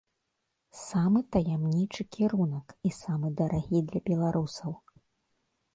Самы таямнічы кірунак і самы дарагі для беларусаў.